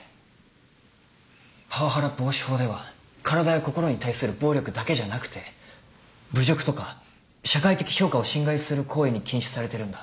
パワハラ防止法では体や心に対する暴力だけじゃなくて侮辱とか社会的評価を侵害する行為も禁止されてるんだ。